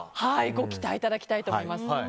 ご期待いただきたいと思います。